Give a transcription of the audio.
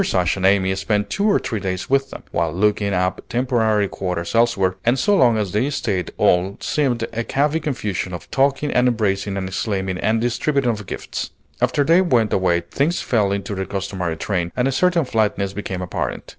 Ashe and Amy spent two or three days with them, while looking up temporary quarters elsewhere; and so long as they stayed all seemed a happy confusion of talking and embracing and exclaiming, and distributing of gifts. After they went away things fell into their customary train, and a certain flatness became apparent.